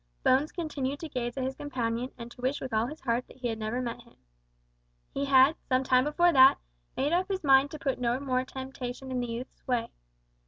Bones continued to gaze at his companion, and to wish with all his heart that he had never met him. He had, some time before that, made up his mind to put no more temptation in the youth's way.